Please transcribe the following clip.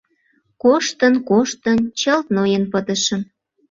Коштын-коштын, чылт ноен пытышым...